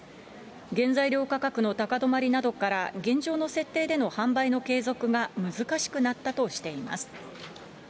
原材料価格の高止まりなどから現状の設定での販売の継続が難しくなったとしています。